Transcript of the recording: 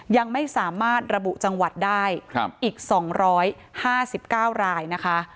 ยังไม่สามารถระบุจังหวัดได้อีก๒๕๙รายนะคะ